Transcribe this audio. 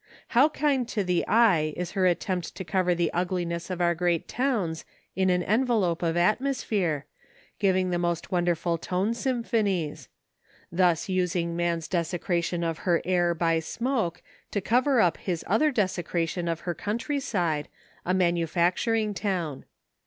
How kind to the eye is her attempt to cover the ugliness of our great towns in an envelope of atmosphere, giving the most wonderful tone symphonies; thus using man's desecration of her air by smoke to cover up his other desecration of her country side, a manufacturing town.